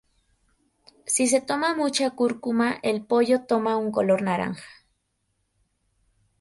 Si se agrega mucha cúrcuma el pollo toma un color naranja.